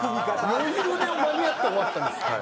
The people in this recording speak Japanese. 余裕で間に合って終わったんです。